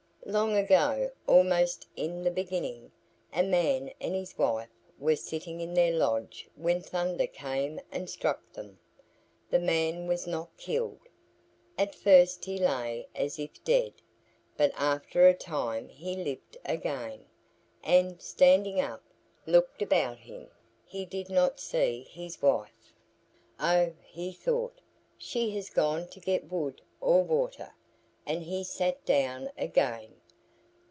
Long ago, almost in the beginning, a man and his wife were sitting in their lodge when Thunder came and struck them. The man was not killed. At first he lay as if dead, but after a time he lived again, and, standing up, looked about him. He did not see his wife. "Oh," he thought, "she has gone to get wood or water," and he sat down again.